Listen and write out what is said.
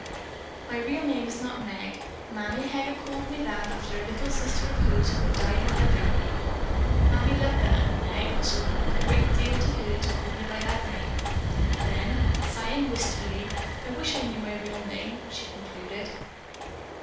My real name is not Meg. Mammy Heger called me that after a little sister of hers who had died when a baby. Mammy loved that other Meg and so it meant a great deal to her to call me by that name." Then, sighing wistfully: "I wish I knew my real name," she concluded.